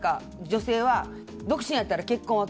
女性は独身やったら結婚は？